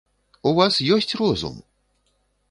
У вас ёсць розум?